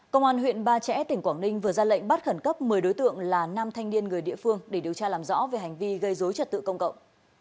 công an huyện ba trẻ tỉnh quảng ninh vừa ra lệnh bắt khẩn cấp một mươi đối tượng là nam thanh niên người địa phương để điều tra làm rõ về hành vi gây dối trật tự công cộng